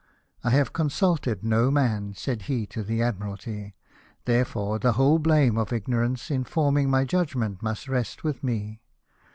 " I have consulted no man," said he to the Admiralty ;" therefore the whole blame of ignorance in forming my judgment must rest with me.